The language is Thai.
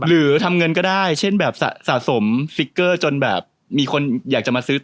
หรือทำเงินก็ได้เช่นแบบสะสมสติ๊กเกอร์จนแบบมีคนอยากจะมาซื้อ